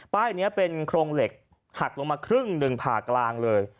นี้เป็นโครงเหล็กหักลงมาครึ่งหนึ่งผ่ากลางเลย